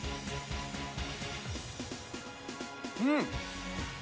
うん！